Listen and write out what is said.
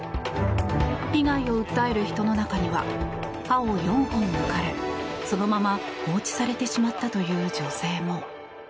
被害を訴える人の中には歯を４本抜かれそのまま放置されてしまったという女性も。